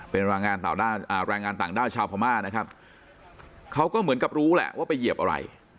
เป็นแรงงานต่างด้าวชาวพม่านะครับเขาก็เหมือนกับรู้แหละว่าไปเหยียบอะไร